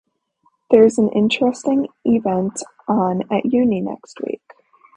There's an interesting event on at uni next week.